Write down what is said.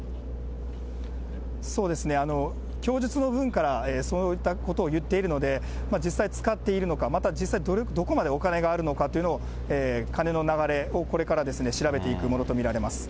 そうですね、供述の部分からそういったことを言っているので、実際使っているのか、また実際どこまでお金があるのかというのを、金の流れをこれから調べていくものと見られます。